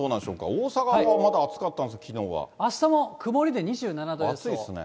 大阪はまだ暑かったんです、きのあしたも曇りで２７度です。